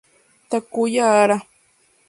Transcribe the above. Takuya Hara